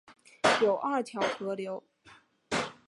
有二条河流